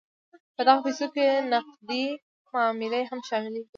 په دغه پیسو کې نغدې معاملې هم شاملیږي.